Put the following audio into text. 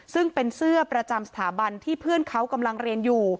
ซึ่งเป็นเสื้อประจำสถาบันที่เพื่อนเขากำลังเรียนอยู่